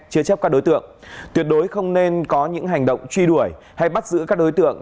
chứa chấp các đối tượng tuyệt đối không nên có những hành động truy đuổi hay bắt giữ các đối tượng